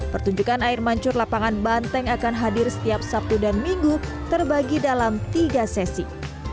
pertunjukan air mancur lapangan banteng akan hadir setiap sabtu dan minggu terbagi dalam tiga sesi